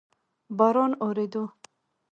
باران اوورېدو؟